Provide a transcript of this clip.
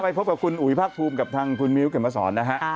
ไปพบกับคุณอุวิภาคภูมิกับทางคุณมิวเก่งมาสอนนะครับ